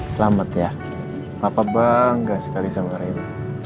selamat ya papa bangga sekali sama rain